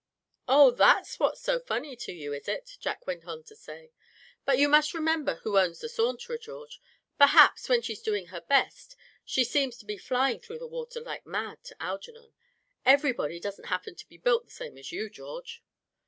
"Oh! that's what's so funny to you, is it?" Jack went on to say. "But you must remember who owns the Saunterer, George. Perhaps, when she's doing her best she seems to be flying through the water like mad to Algernon. Everybody doesn't happen to be built the same as you, George."